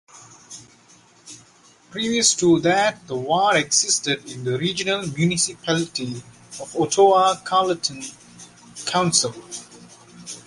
Previous to that, the ward existed in the Regional Municipality of Ottawa-Carleton Council.